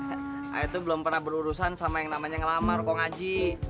ella tuh belum pernah berurusan sama yang namanya ngelamar kong aji